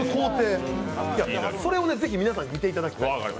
それを皆さんに見ていただきたい。